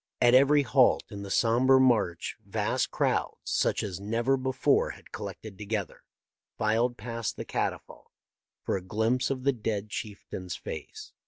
At every halt in the sombre march vast crowds, such as never before had collected together, filed past the catafalque for a glimpse of the dead chieftain's face.